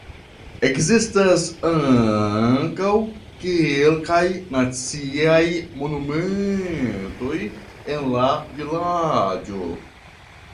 Ekzistas ankaŭ kelkaj naciaj monumentoj en la vilaĝo.